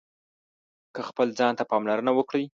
که خپل ځان ته پاملرنه وکړئ